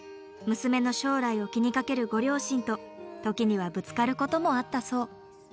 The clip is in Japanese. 娘の将来を気にかけるご両親と時にはぶつかることもあったそう。